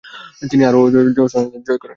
তিনি আরু ও জহর সালতানাত জয় করেন।